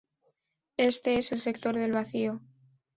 Éste es el sector del vacío.